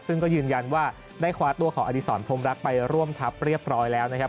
ซึ่งก็ยืนยันว่าได้คว้าตัวของอดีศรพรมรักไปร่วมทัพเรียบร้อยแล้วนะครับ